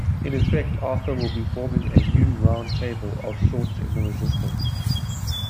In effect, "Arthur" will be forming a new "roundtable" of sorts in the resistance.